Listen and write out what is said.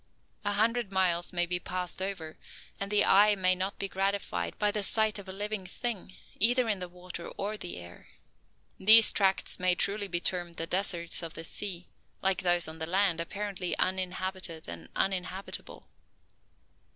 A hundred miles may be passed over, and the eye may not be gratified by the sight of a living thing, either in the water or the air. These tracts may truly be termed the deserts of the sea; like those of the land, apparently uninhabited and uninhabitable.